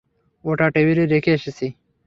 ওটা টেবিলে রেখে এসেছি!